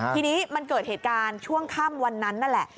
ทีนี้มันเกิดเหตุการณ์ช่วงค่ำวันนั้นนั่นแหละ